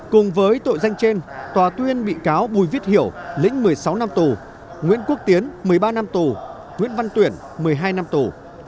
cùng với tội danh trên tòa tuyên bị cáo bùi viết hiểu lĩnh một mươi sáu năm tù nguyễn quốc tiến một mươi ba năm tù nguyễn văn tuyển một mươi hai năm tù